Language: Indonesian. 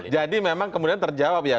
jadi memang kemudian terjawab ya